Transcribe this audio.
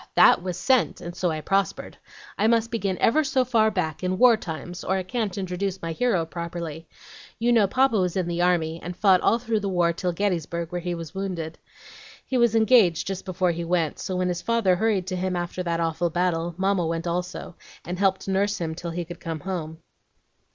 that was SENT, and so I prospered. I must begin ever so far back, in war times, or I can't introduce my hero properly. You know Papa was in the army, and fought all through the war till Gettysburg, where he was wounded. He was engaged just before he went; so when his father hurried to him after that awful battle, Mamma went also, and helped nurse him till he could come home.